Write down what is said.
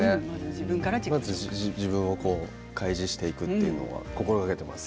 まず自分を開示していくことを心がけています。